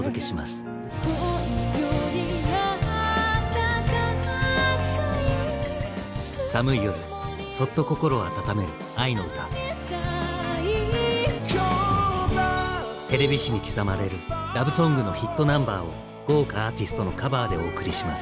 「恋よりあたたかい」寒い夜そっとテレビ史に刻まれるラブソングのヒットナンバーを豪華アーティストのカバーでお送りします。